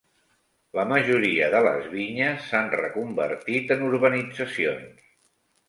La majories de les vinyes s'han reconvertit en urbanitzacions.